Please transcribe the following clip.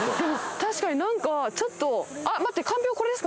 確かに何かちょっと。